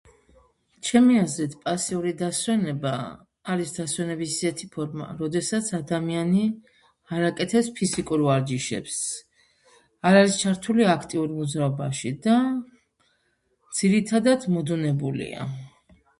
ჩემი აზრით პასიური დასვენება არის დასვენების ისეთი ფორმა როდესაც ადამიანი არ აკეთებს ფიზიკურ ვარჯიშებს, არ არის ჩართული აქტიურ მოძრაობაში და ძირითადად მოდუნებულია